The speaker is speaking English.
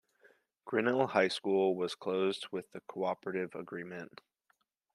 Grinnell High School was closed with the cooperative agreement.